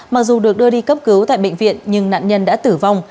mặc dù được đưa đi cấp cứu tại bệnh viện nhưng nạn nhân đã tử vong